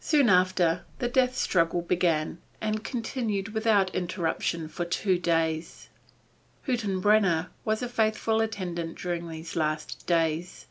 Soon after, the death struggle began, and continued without interruption for two days. Hüttenbrenner was a faithful attendant during these last days.